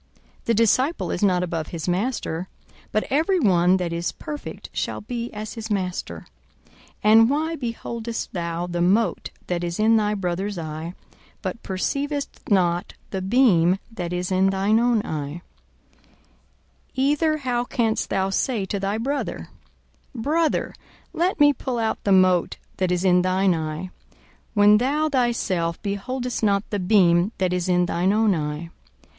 42:006:040 The disciple is not above his master: but every one that is perfect shall be as his master. 42:006:041 And why beholdest thou the mote that is in thy brother's eye, but perceivest not the beam that is in thine own eye? 42:006:042 Either how canst thou say to thy brother, Brother, let me pull out the mote that is in thine eye, when thou thyself beholdest not the beam that is in thine own eye?